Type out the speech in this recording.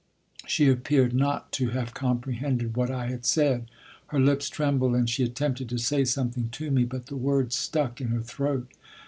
She appeared not to have comprehended what I had said. Her lips trembled and she attempted to say something to me, but the words stuck in her throat.